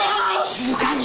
静かに！！